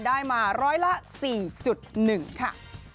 ได้มาร้อยละ๔๑ค่ะ